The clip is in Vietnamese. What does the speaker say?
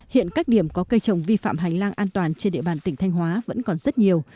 hiện các điểm có cây trồng vi phạm hành lang an toàn trên địa bàn tỉnh thanh hóa vẫn còn rất nhiều